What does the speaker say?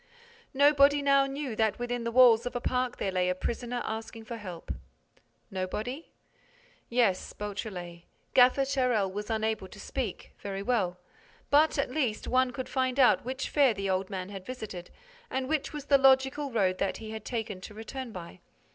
Nobody now knew that within the walls of a park there lay a prisoner asking for help. Nobody? Yes, Beautrelet. Gaffer Charel was unable to speak. Very well. But, at least, one could find out which fair the old man had visited and which was the logical road that he had taken to return by.